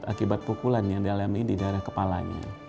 akibat pukulan yang dialami di daerah kepalanya